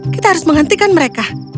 kita harus menghentikan mereka